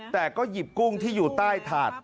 แต่ก็หยิบกุ้งที่อยู่ใต้ถาด